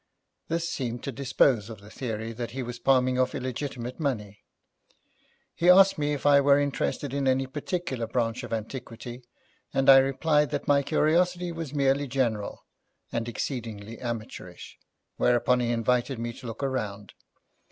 This seemed to dispose of the theory that he was palming off illegitimate money. He asked me if I were interested in any particular branch of antiquity, and I replied that my curiosity was merely general, and exceedingly amateurish, whereupon he invited me to look around.